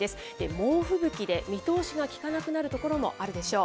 猛吹雪で見通しが利かなくなる所もあるでしょう。